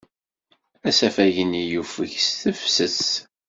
Asafag-nni yufeg s tefses.